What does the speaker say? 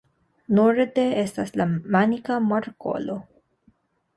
Norde estas la Manika Markolo.